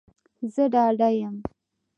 زه ډاډه یم